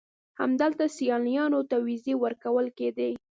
همدلته سیلانیانو ته ویزې ورکول کېدې.